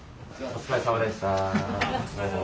お疲れさまです。